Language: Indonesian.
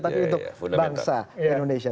tapi untuk bangsa indonesia